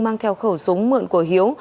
mang theo khẩu súng mượn của hiếu